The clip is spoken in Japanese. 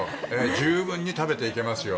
十分に食べていけますよ。